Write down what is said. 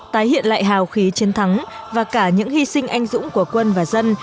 tái hiện lại hào khí chiến thắng và cả những hy sinh anh dũng của quân và dân